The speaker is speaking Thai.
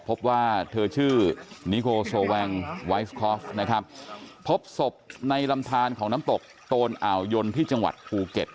พบว่าเธอชื่อนิโกโซแวงไวสคอฟนะครับพบศพในลำทานของน้ำตกโตนอ่าวยนที่จังหวัดภูเก็ต